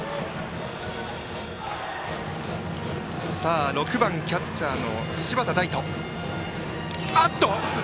バッターは６番キャッチャーの柴田大翔。